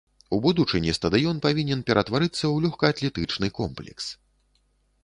У будучыні стадыён павінен ператварыцца ў лёгкаатлетычны комплекс.